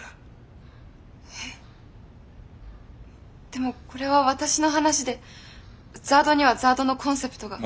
でもこれは私の話でＺＡＲＤにはＺＡＲＤのコンセプトが。